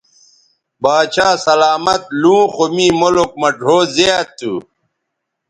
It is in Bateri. باچھا سلامت لوں خو می ملک مہ ڙھؤ زیات تھو